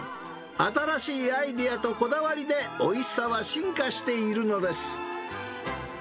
新しいアイデアとこだわりで、おいしさは進化しているのです。